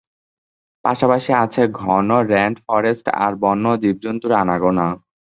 পাশাপাশি আছে ঘন রেন ফরেস্ট আর বন্য জীবজন্তুর আনাগোনা।